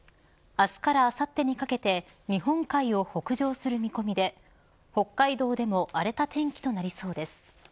明日からあさってにかけて日本海を北上する見込みで北海道でも荒れた天気となりそうです。